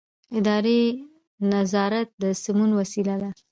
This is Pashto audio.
اداري نظارت د سمون وسیله ده.